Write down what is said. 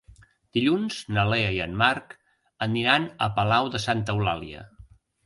Dilluns na Lea i en Marc aniran a Palau de Santa Eulàlia.